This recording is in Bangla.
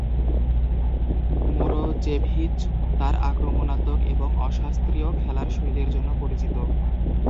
মোরোজেভিচ তার আক্রমণাত্মক এবং অশাস্ত্রীয় খেলার শৈলীর জন্য পরিচিত।